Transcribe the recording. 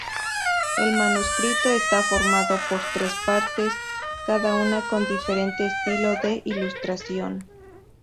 El manuscrito está formado por tres partes, cada una con diferente estilo de ilustración.